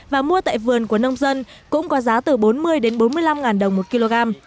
và mua tại vườn của nông dân cũng có giá từ bốn mươi đến bốn mươi năm đồng một kg